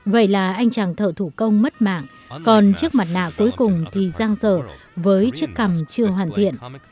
vậy là anh chàng thợ thủ công mất mạng còn chiếc mặt nạ cuối cùng thì giang dở với chiếc cằm chưa hoàn thiện